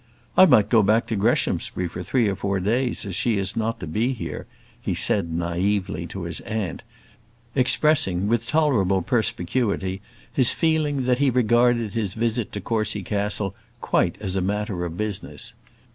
"I might go back to Greshamsbury for three or four days as she is not to be here," he said naïvely to his aunt, expressing, with tolerable perspicuity, his feeling, that he regarded his visit to Courcy Castle quite as a matter of business.